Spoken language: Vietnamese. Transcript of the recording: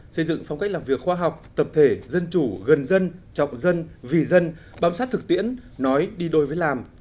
xây dựng phong cách làm việc khoa học tập thể dân chủ gần dân trọng dân vì dân bám sát thực tiễn nói đi đôi với làm